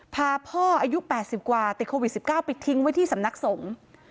พาพ่ออายุ๘๐กว่าติดโควิด๑๙ไปทิ้งไว้ที่สำนักสงฆ์